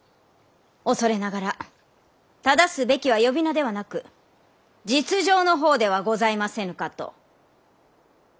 恐れながら正すべきは呼び名ではなく実情のほうではございませぬかと。